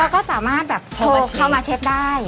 ก็สามารถแบบโทรเข้ามาเช็คได้